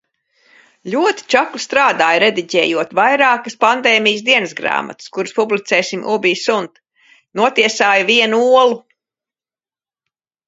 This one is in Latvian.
Ļoti čakli strādāju, rediģējot vairākas pandēmijas dienasgrāmatas, kuras publicēsim Ubi Sunt. Notiesāju vienu olu.